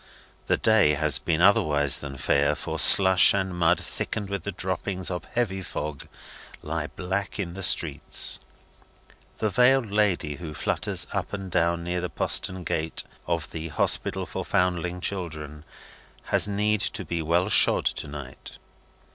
The day has been otherwise than fair, for slush and mud, thickened with the droppings of heavy fog, lie black in the streets. The veiled lady who flutters up and down near the postern gate of the Hospital for Foundling Children has need to be well shod to night.